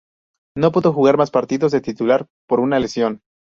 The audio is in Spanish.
No pudo jugar más partidos de titular por una lesión.